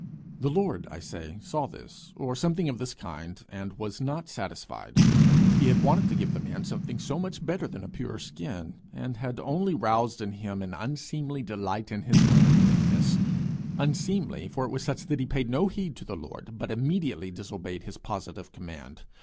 The Lord, I say, saw this, or something of this kind, and was not satisfied. He had wanted to give the man something so much better than a pure skin, and had only roused in him an unseemly delight in his own cleanness unseemly, for it was such that he paid no heed to the Lord, but immediately disobeyed his positive command.